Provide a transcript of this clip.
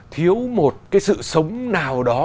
thiếu một cái sự sống nào đó